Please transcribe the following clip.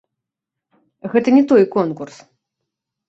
Гэта не той конкурс.